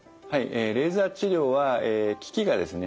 えレーザー治療は機器がですね